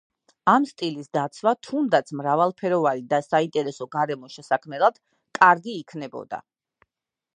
ამ სტილის დაცვა, თუნდაც მრავალფეროვანი და საინტერესო გარემოს შესაქმნელად, კარგი იქნებოდა.